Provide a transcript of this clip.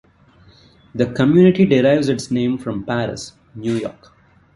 The community derives its name from Paris, New York.